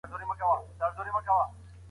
ګاونډیان به د سولي خبري وکړي.